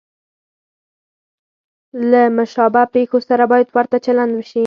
له مشابه پېښو سره باید ورته چلند وشي.